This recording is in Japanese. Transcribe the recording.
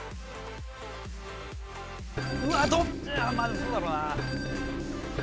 うわっどっちまあでもそうだろうな。